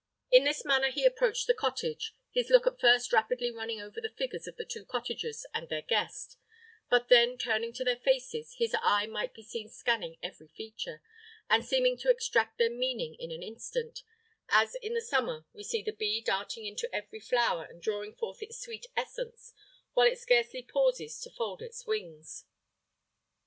In this manner he approached the cottage, his look at first rapidly running over the figures of the two cottagers and their guest; but then turning to their faces, his eye might be seen scanning every feature, and seeming to extract their meaning in an instant: as in the summer we see the bee darting into every flower, and drawing forth its sweet essence, while it scarcely pauses to fold its wings.